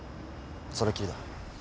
それっきりだ。